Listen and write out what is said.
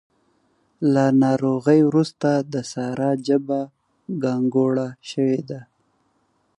له ناروغۍ روسته د سارا ژبه ګانګوړه شوې ده.